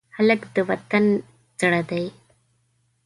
هلک د وطن زړه دی.